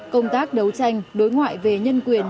công tác đấu tranh đối ngoại về nhân quyền